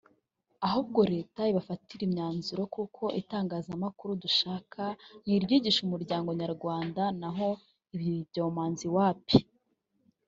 Ahubwo Leta ibafatire imyanzuro kuko itangazamakuru dushaka ni iryigisha umuryango nyarwanda naho ibi byomanzi wapi